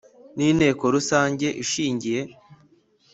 n Inteko Rusange ishingiye